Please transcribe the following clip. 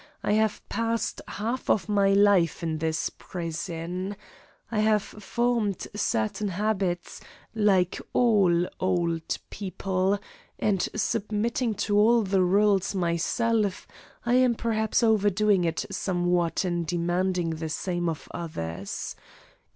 I have passed half of my life in this prison; I have formed certain habits, like all old people, and submitting to all rules myself, I am perhaps overdoing it somewhat in demanding the same of others.